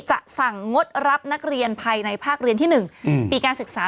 สั่งงดรับนักเรียนภายในภาคเรียนที่๑ปีการศึกษา